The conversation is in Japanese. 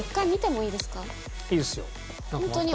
いいですよ。